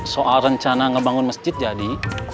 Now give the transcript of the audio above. soal rencana ngebangun masjid jadi